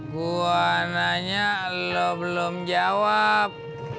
gua nanya lo belum jawab